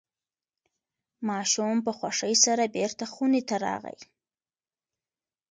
ماشوم په خوښۍ سره بیرته خونې ته راغی.